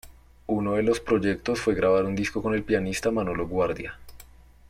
Uno de los proyectos fue grabar un disco con el pianista Manolo Guardia.